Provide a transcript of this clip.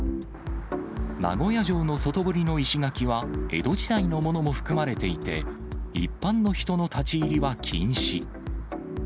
名古屋城の外堀の石垣は、江戸時代のものも含まれていて、一般の人の立ち入りは禁止。